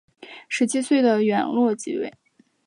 十七岁的元恪即位。